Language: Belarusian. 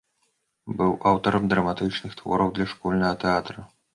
Быў аўтарам драматычных твораў для школьнага тэатра.